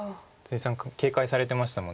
さん警戒されてましたもんね